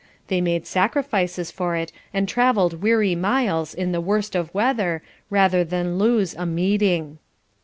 They made sacrifices for it, and travelled weary miles in the worst of weather, rather than lose a "meeting."